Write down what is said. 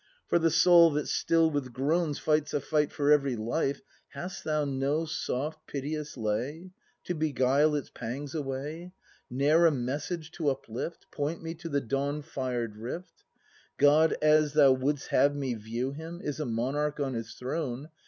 For the soul that still with groans Fights a fight for very life, Hast thou no soft, piteous lay, To beguile its pangs away? Ne'er a message to uplift. Point me to the dawn fired rift? God, as thou wouldst have me view Him, Is a monarch on His throne.